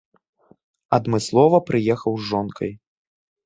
Адмыслова прыехаў з жонкай.